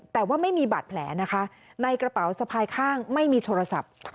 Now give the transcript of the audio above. แต่ว่าไม่มีบาดแผลนะคะในกระเป๋าสะพายข้างไม่มีโทรศัพท์